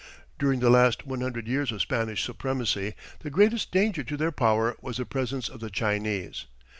During the last one hundred years of Spanish supremacy, the greatest danger to their power was the presence of the Chinese.